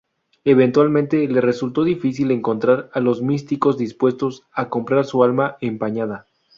Eventualmente, le resultó difícil encontrar a los místicos dispuestos a comprar su alma empañada.